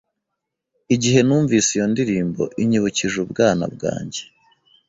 Igihe numvise iyo ndirimbo, inyibukije ubwana bwanjye.